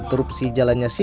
dpr ri puan maharani